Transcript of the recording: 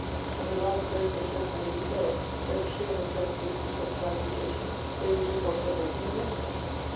But at last both the gentlemen declared, that if she and her friends would consent to amputation, they would whip off her leg in a moment.